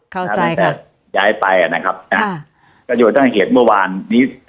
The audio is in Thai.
เข้าใจครับย้ายไปอ่ะนะครับค่ะกระโยชน์ตั้งแต่เหตุเมื่อวานนี้